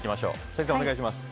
先生、お願いします。